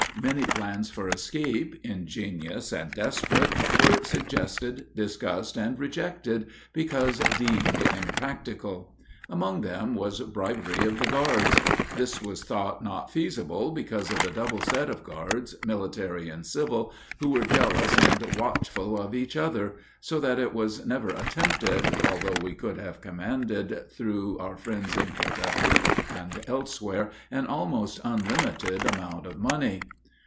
Many plans for escape, ingenious and desperate, were suggested, discussed, and rejected because deemed impracticable. Among them was bribery of the guards. This was thought not feasible because of the double set of guards, military and civil, who were jealous and watchful of each other, so that it was never attempted, although we could have commanded, through our friends in Kentucky and elsewhere, an almost unlimited amount of money.